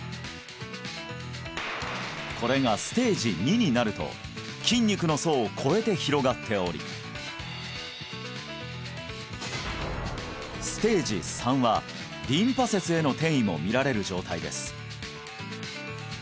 １これがステージ２になると筋肉の層を越えて広がっておりステージ３はリンパ節への転移も見られる状態です